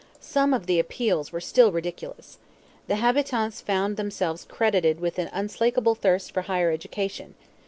Some of the appeals were still ridiculous. The habitants found themselves credited with an unslakable thirst for higher education.